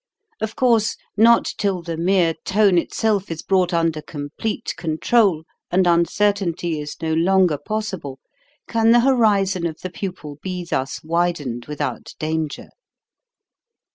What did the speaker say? Of course not till the mere tone itself is brought under complete control, and uncertainty is no longer possible, can the horizon of the pupil be thus widened without danger.